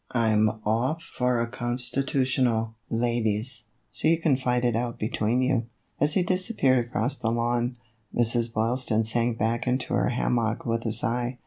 I 'm off for 128 THE EVOLUTION OF A BONNET. a constitutional, ladies, so you can fight it out between you." As he disappeared across the lawn, Mrs. Boylston sank back into her hammock with a sigh.